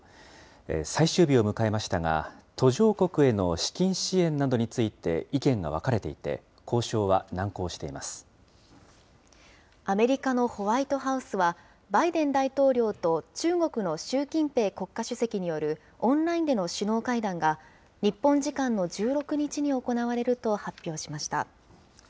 最終日を迎えましたが、途上国への資金支援などについて意見が分かれていて、アメリカのホワイトハウスは、バイデン大統領と中国の習近平国家主席によるオンラインでの首脳会談が、日本時間の１６日に行われると発表しました。